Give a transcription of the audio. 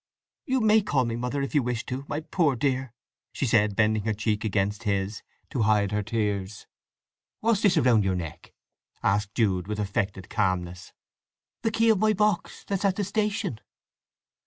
"You may call me Mother, if you wish to, my poor dear!" she said, bending her cheek against his to hide her tears. "What's this round your neck?" asked Jude with affected calmness. "The key of my box that's at the station."